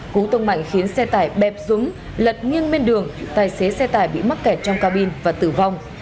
cú tông mạnh khiến xe tải bẹp rúng lật nghiêng bên đường tài xế xe tải bị mắc kẹt trong cabin và tử vong